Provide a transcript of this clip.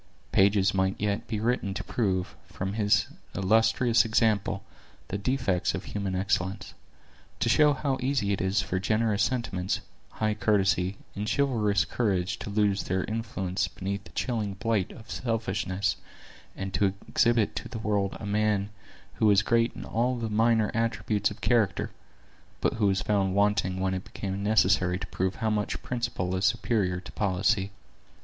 Pages might yet be written to prove, from this illustrious example, the defects of human excellence; to show how easy it is for generous sentiments, high courtesy, and chivalrous courage to lose their influence beneath the chilling blight of selfishness, and to exhibit to the world a man who was great in all the minor attributes of character, but who was found wanting when it became necessary to prove how much principle is superior to policy.